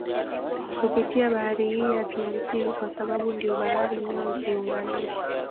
Kupitia bahari hii ya Atlantiki kwa sababu ndiyo bahari inayoziunganisha